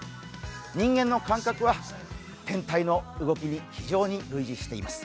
人間の感覚は天体の動きに非常に類似しています。